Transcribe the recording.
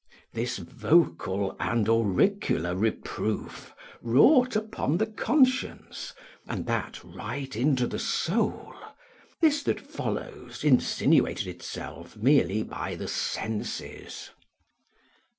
This vocal and auricular reproof wrought upon the conscience, and that right into the soul; this that follows, insinuated itself merely by the senses.